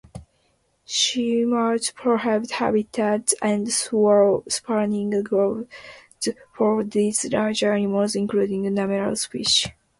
Seamounts provide habitats and spawning grounds for these larger animals, including numerous fish.